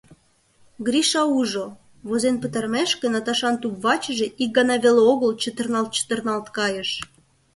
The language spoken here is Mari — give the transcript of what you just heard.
Гриша ужо: возен пытарымешке, Наташан туп-вачыже ик гана веле огыл чытырналт-чытырналт кайыш.